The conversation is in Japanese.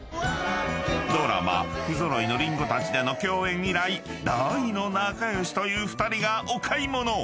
［ドラマ『ふぞろいの林檎たち』での共演以来大の仲良しという２人がお買い物！］